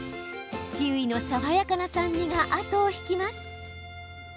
キウイの爽やかな酸味が後を引きます。